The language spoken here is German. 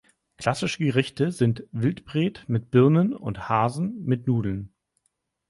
Klassische Gerichte sind Wildbret mit Birnen und Hasen mit Nudeln.